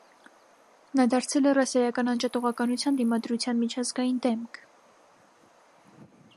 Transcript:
Նա դարձել է ռասայական անջատողականության դիմադրության միջազգային դեմք։